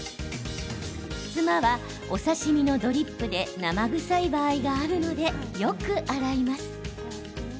ツマは、お刺身のドリップで生臭い場合があるのでよく洗います。